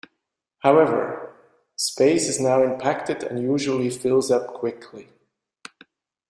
However, space is now impacted and usually fills up quickly.